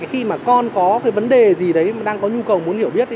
khi mà con có vấn đề gì đấy đang có nhu cầu muốn hiểu biết